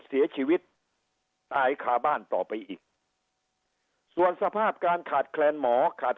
เสียชีวิตตายคาบ้านต่อไปอีกส่วนสภาพการขาดแคลนหมอขาด